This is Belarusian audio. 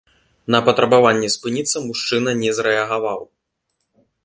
На патрабаванне спыніцца мужчына не зрэагаваў.